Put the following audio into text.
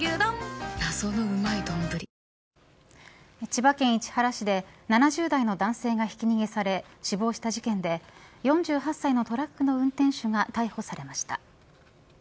千葉県市原市で７０代の男性がひき逃げされ死亡した事件で４８歳のトラックの運転手が逮捕されました。